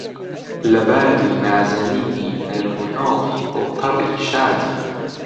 لەباری، نازەنینی، نەرم و نۆڵی، دڵتەڕی، شادی